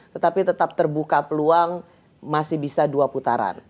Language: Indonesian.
tetapi tetap terbuka peluang masih bisa dua putaran